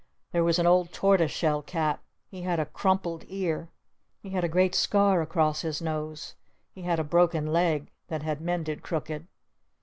There was an old tortoise shell cat. He had a crumpled ear. He had a great scar across his nose. He had a broken leg that had mended crooked.